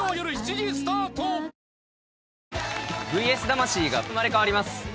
『ＶＳ魂』が生まれ変わります。